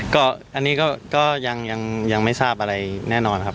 ก็อันนี้ก็ยังไม่ทราบอะไรแน่นอนครับ